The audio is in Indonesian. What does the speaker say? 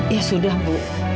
ya sudah bu